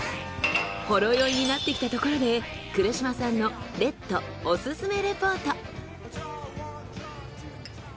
ほろ酔いになってきたところで倉嶋さんの赤燈オススメレポート。